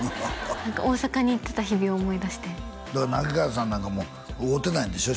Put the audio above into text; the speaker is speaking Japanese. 何か大阪に行ってた日々を思い出してだから梛川さんなんかも会うてないんでしょ？